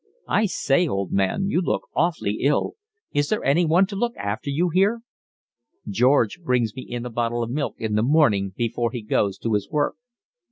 "I say, old man, you look awfully ill. Is there anyone to look after you here?" "George brings me in a bottle of milk in the morning before he goes to his work."